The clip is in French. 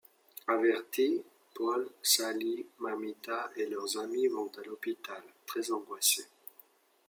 Avertis, Paul, Sali, Mamita et leurs amis vont à l’hôpital, très angoissés.